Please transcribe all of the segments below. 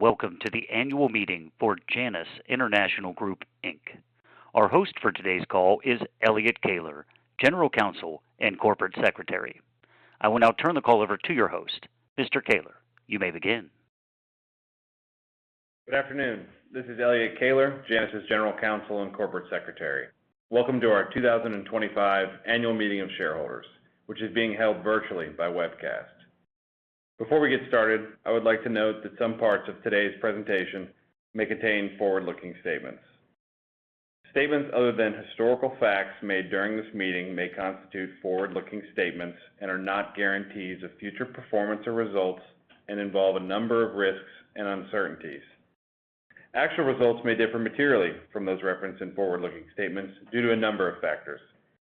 Welcome to the annual meeting for Janus International Group, Inc. Our host for today's call is Elliot Kahler, General Counsel and Corporate Secretary. I will now turn the call over to your host, Mr. Kahler. You may begin. Good afternoon. This is Elliot Kahler, Janus's General Counsel and Corporate Secretary. Welcome to our 2025 annual meeting of shareholders, which is being held virtually by webcast. Before we get started, I would like to note that some parts of today's presentation may contain forward-looking statements. Statements other than historical facts made during this meeting may constitute forward-looking statements and are not guarantees of future performance or results and involve a number of risks and uncertainties. Actual results may differ materially from those referenced in forward-looking statements due to a number of factors,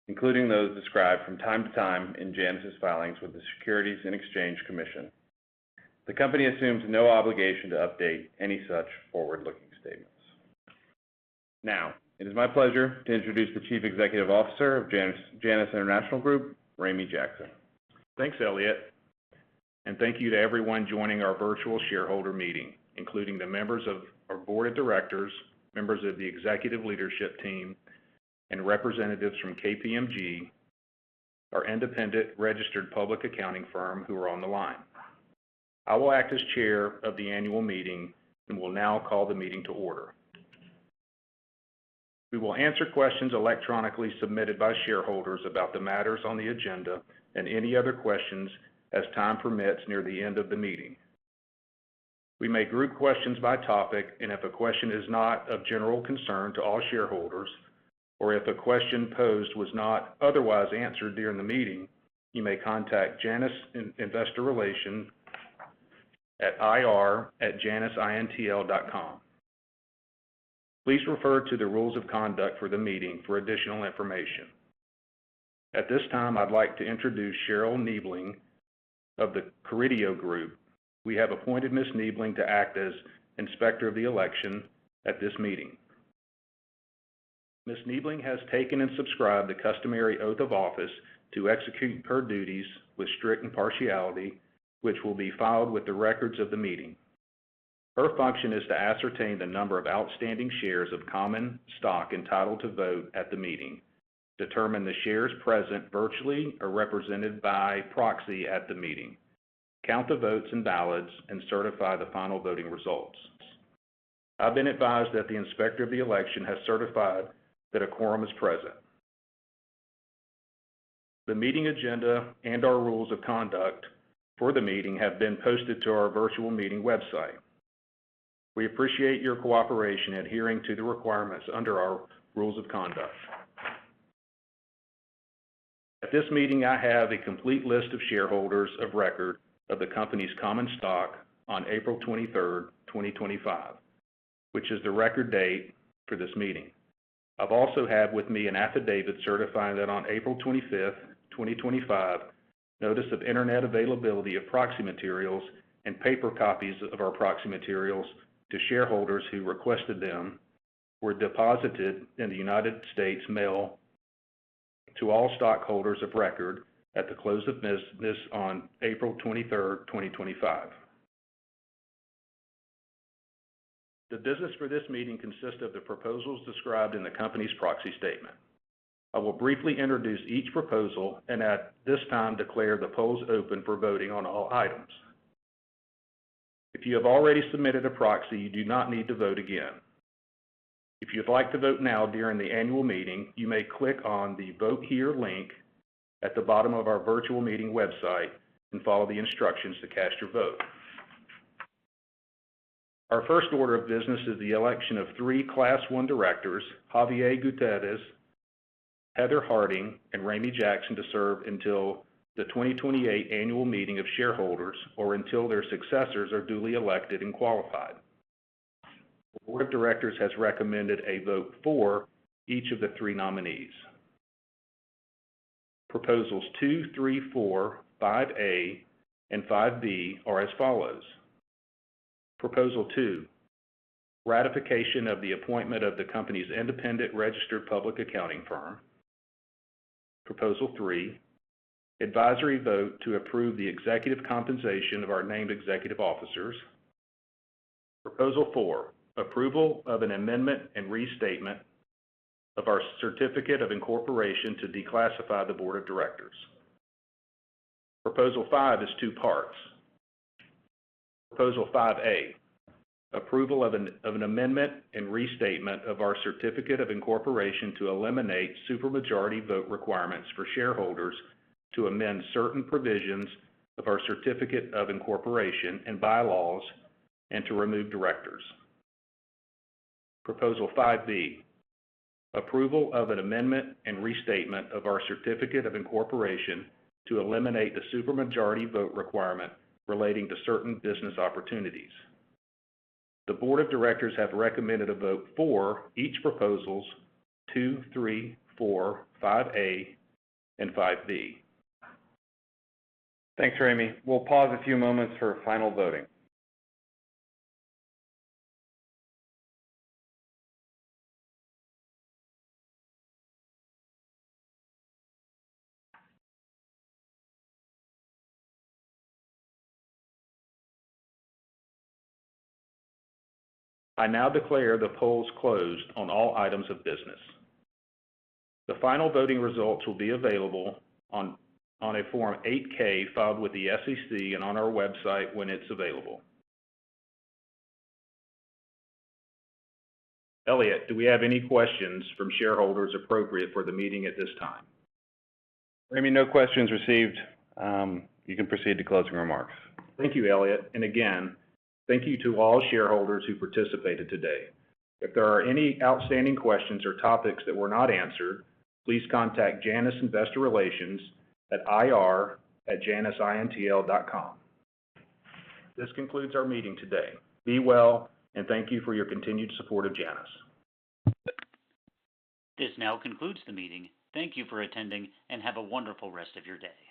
including those described from time to time in Janus's filings with the Securities and Exchange Commission. The company assumes no obligation to update any such forward-looking statements. Now, it is my pleasure to introduce the Chief Executive Officer of Janus International Group, Ramey Jackson. Thanks, Elliot. And thank you to everyone joining our virtual shareholder meeting, including the members of our board of directors, members of the executive leadership team, and representatives from KPMG, our independent registered public accounting firm who are on the line. I will act as chair of the annual meeting and will now call the meeting to order. We will answer questions electronically submitted by shareholders about the matters on the agenda and any other questions as time permits near the end of the meeting. We may group questions by topic, and if a question is not of general concern to all shareholders or if a question posed was not otherwise answered during the meeting, you may contact Janus Investor Relations at ir@janusintl.com. Please refer to the rules of conduct for the meeting for additional information. At this time, I'd like to introduce Cheryl Niebling of the Carideo Group. We have appointed Ms. Niebling to act as Inspector of the Election at this meeting. Ms. Niebling has taken and subscribed the customary oath of office to execute her duties with strict impartiality, which will be filed with the records of the meeting. Her function is to ascertain the number of outstanding shares of common stock entitled to vote at the meeting, determine the shares present virtually or represented by proxy at the meeting, count the votes and ballots, and certify the final voting results. I've been advised that the Inspector of the Election has certified that a quorum is present. The meeting agenda and our rules of conduct for the meeting have been posted to our virtual meeting website. We appreciate your cooperation in adhering to the requirements under our rules of conduct. At this meeting, I have a complete list of shareholders of record of the company's common stock on April 23rd, 2025, which is the record date for this meeting. I've also had with me an affidavit certifying that on April 25th, 2025, notice of internet availability of proxy materials and paper copies of our proxy materials to shareholders who requested them were deposited in the United States mail to all stockholders of record at the close of business on April 23rd, 2025. The business for this meeting consists of the proposals described in the company's proxy statement. I will briefly introduce each proposal and at this time declare the polls open for voting on all items. If you have already submitted a proxy, you do not need to vote again. If you'd like to vote now during the annual meeting, you may click on the Vote Here link at the bottom of our virtual meeting website and follow the instructions to cast your vote. Our first order of business is the election of three Class 1 directors, Javier Gutierrez, Heather Harding, and Ramey Jackson to serve until the 2028 annual meeting of shareholders or until their successors are duly elected and qualified. The board of directors has recommended a vote for each of the three nominees. Proposals 2, 3, 4, 5A, and 5B are as follows. Proposal 2: Ratification of the appointment of the company's independent registered public accounting firm. Proposal 3: Advisory vote to approve the executive compensation of our named executive officers. Proposal 4: Approval of an amendment and restatement of our certificate of incorporation to declassify the board of directors. Proposal 5 is two parts. Proposal 5A: Approval of an amendment and restatement of our certificate of incorporation to eliminate supermajority vote requirements for shareholders to amend certain provisions of our certificate of incorporation and bylaws and to remove directors. Proposal 5B: Approval of an amendment and restatement of our certificate of incorporation to eliminate the supermajority vote requirement relating to certain business opportunities. The board of directors have recommended a vote for each proposals 2, 3, 4, 5A, and 5B. Thanks, Ramey. We'll pause a few moments for final voting. I now declare the polls closed on all items of business. The final voting results will be available on a Form 8-K filed with the SEC and on our website when it's available. Elliot, do we have any questions from shareholders appropriate for the meeting at this time? Ramey, no questions received. You can proceed to closing remarks. Thank you, Elliot. And again, thank you to all shareholders who participated today. If there are any outstanding questions or topics that were not answered, please contact Janus Investor Relations at ir@janusintl.com. This concludes our meeting today. Be well, and thank you for your continued support of Janus. This now concludes the meeting. Thank you for attending and have a wonderful rest of your day.